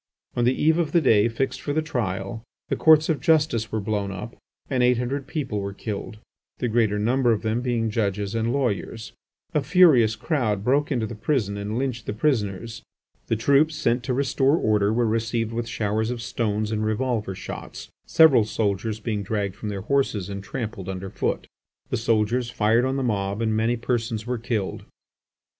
On the eve of the day fixed for the trial the Courts of justice were blown up and eight hundred people were killed, the greater number of them being judges and lawyers. A furious crowd broke into the prison and lynched the prisoners. The troops sent to restore order were received with showers of stones and revolver shots; several soldiers being dragged from their horses and trampled underfoot. The soldiers fired on the mob and many persons were killed.